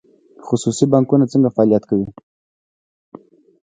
خصوصي بانکونه څنګه فعالیت کوي؟